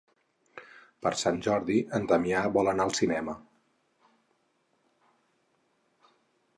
Per Sant Jordi en Damià vol anar al cinema.